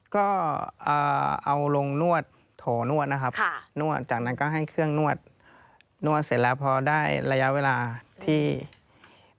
ก็เอาลงนวดโถนวดนะครับนวดจากนั้นก็ให้เครื่องนวดนวดเสร็จแล้วพอได้ระยะเวลาที่